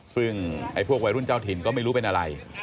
ซึ่งไอ้พวกวัยรุ่นเจ้าถิ่นก็ไม่รู้เป็นอะไร